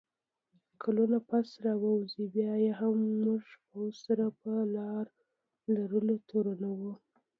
کلونه پس راووځي، بیا یې هم موږ پوځ سره په لار لرلو تورنوو